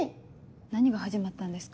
何が始まったんですか？